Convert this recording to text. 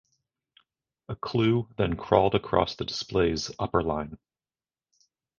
A clue then crawled across the display's upper line.